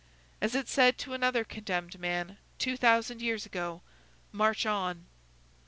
as it said to another condemned man, two thousand years ago, "March on!"